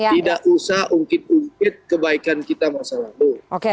tidak usah ungkit ungkit kebaikan kita masa lalu